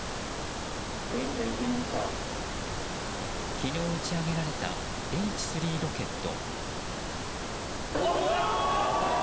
昨日打ち上げられたＨ３ロケット。